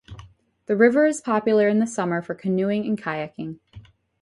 The river is popular in the summer for canoeing and kayaking.